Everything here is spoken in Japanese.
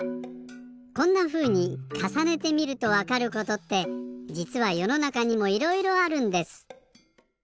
こんなふうにかさねてみるとわかることってじつはよのなかにもいろいろあるんです。